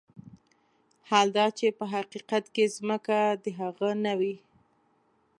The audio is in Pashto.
حال دا چې په حقيقت کې ځمکه د هغه نه وي.